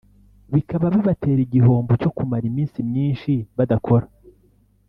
bikaba bibatera igihombo cyo kumara iminsi myinshi badakora